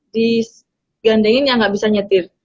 di gandengin yang gak bisa nyetir